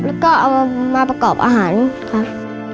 แล้วก็เอามาประกอบอาหารครับ